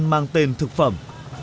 mang tên thực phẩm